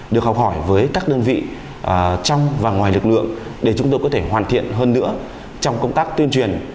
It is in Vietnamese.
được học hỏi với các đơn vị trong và ngoài lực lượng để chúng tôi có thể hoàn thiện hơn nữa trong công tác tuyên truyền